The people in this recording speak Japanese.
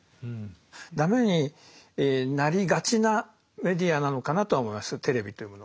ダメになりがちなメディアなのかなとは思いますテレビというものが。